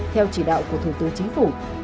theo chỉ đạo của thủ tướng chính phủ